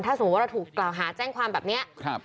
ถ้าสมมุติว่าเราถูกกล่าวหาแจ้งความแบบนี้